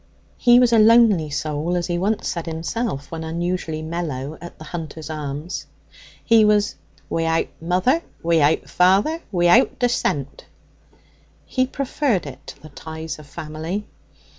He was a lonely soul, as he once said himself when unusually mellow at the Hunter's Arms; he was 'wi'out mother, wi'out father, wi'out descent.' He preferred it to the ties of family.